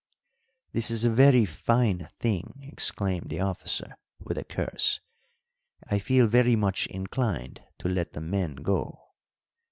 "This is a very fine thing!" exclaimed the officer, with a curse. "I feel very much inclined to let the men go."